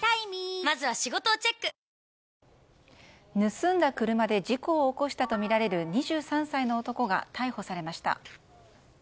盗んだ車で事故を起こしたとみられる２３歳の男が逮捕されました。